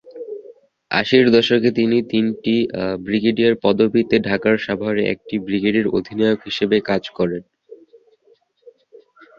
আশির দশকে তিনি ব্রিগেডিয়ার পদবীতে ঢাকার সাভারে একটি ব্রিগেডের অধিনায়ক হিসেবে কাজ করেন।